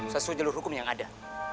sesuai jalur hukum yang ada